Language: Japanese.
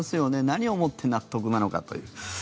何をもって納得なのかという。